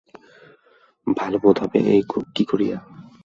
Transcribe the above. ভালো বোধ হইবে কী করিয়া।